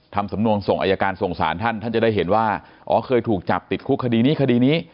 ทำสำนวนส่งอายการส่งสารท่านท่านจะได้เห็นว่าอ๋อเคยถูกจับติดคุกคดีนี้คดีนี้